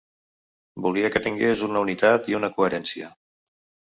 Volia que tingués una unitat i una coherència.